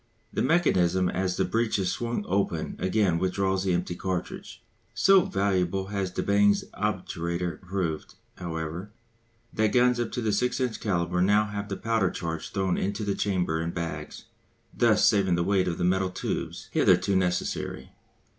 The mechanism as the breech is swung open again withdraws the empty cartridge. So valuable has de Bange's obturator proved, however, that guns up to the 6 inch calibre now have the powder charge thrown into the chamber in bags, thus saving the weight of the metal tubes hitherto necessary.